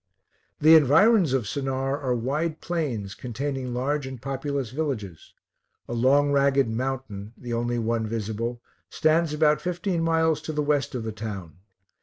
The environs of Sennaar are wide plains, containing large and populous villages. A long ragged mountain, the only one visible, stands about fifteen miles to the west of the town.